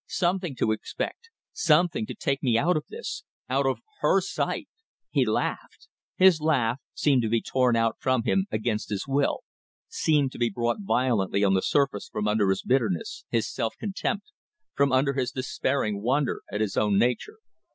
Something to expect. Something to take me out of this. Out of her sight!" He laughed. His laugh seemed to be torn out from him against his will, seemed to be brought violently on the surface from under his bitterness, his self contempt, from under his despairing wonder at his own nature.